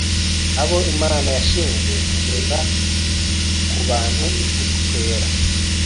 abo Imana yashinze kugeza ku bantu ukuri kwera